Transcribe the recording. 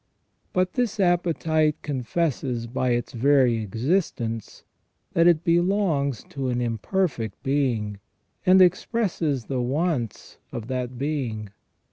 But this appetite confesses by its very existence that it belongs to an imperfect being, and expresses the wants of that being.